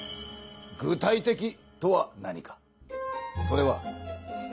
具体的とは何か。